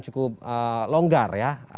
cukup longgar ya